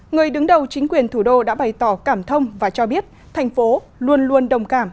người đứng đầu chính quyền thủ đô đã bày tỏ cảm thông và cho biết thành phố luôn luôn đồng cảm